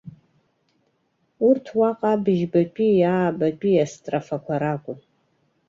Урҭ уаҟа абыжьбатәии аабатәии астрофақәа ракәын.